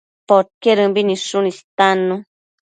Podquedëmbi nidshun istannu